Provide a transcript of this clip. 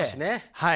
はい！